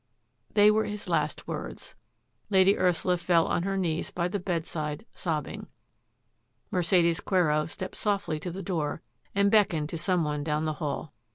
They were his last words. Lady Ursula fell on her knees by the bedside, sobbing. Mercedes Quero stepped softly to the door and beckoned to some one down the hall.